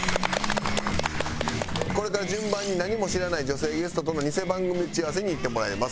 これから順番に何も知らない女性ゲストとのニセ番組打ち合わせに行ってもらいます。